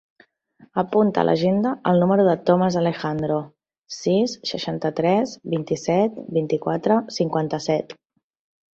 Apunta a l'agenda el número del Thomas Alejandro: sis, seixanta-tres, vint-i-set, vint-i-quatre, cinquanta-set.